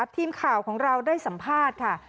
ทีมข่าวของเราได้สัมภาษณ์ค่ะ